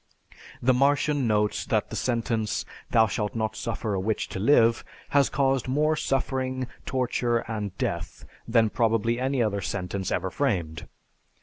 The Martian notes that the sentence, "Thou shalt not suffer a witch to live," has caused more suffering, torture, and death than probably any other sentence ever framed.